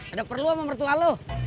ada perlu sama mertua lu